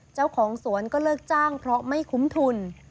เจ้าของสวนก็เลิกจ้างเพราะไม่คุ้มทุน